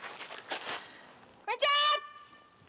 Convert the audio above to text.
こんにちは！